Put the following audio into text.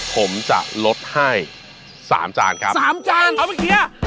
ผมจะลดให้๓จานครับเอาไปเคลียร์